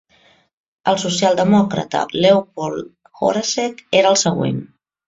El social demòcrata Leopold Horacek era el següent.